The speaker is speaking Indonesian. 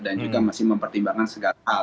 dan juga masih mempertimbangkan segala hal